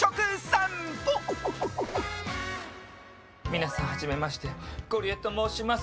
皆さん、はじめましてゴリエと申します。